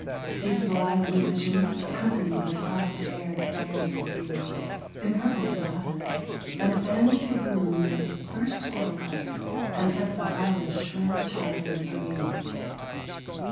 These blithe musicians accompany the soft air that bares the fields, empurples the buds, and fans the bloom of the first squirrelcups and sets the hyla's shrill chime a ringing.